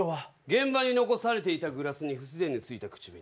現場に残されていたグラスに不自然についた口紅。